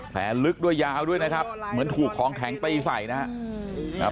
แผลลึกด้วยยาวด้วยนะครับเหมือนถูกของแข็งตีใส่นะครับ